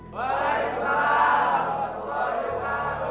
waalaikumsalam warahmatullahi wabarakatuh